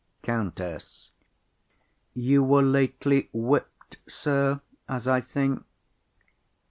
COUNTESS. You were lately whipp'd, sir, as I think.